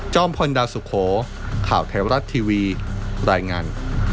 พลดาวสุโขข่าวไทยรัฐทีวีรายงาน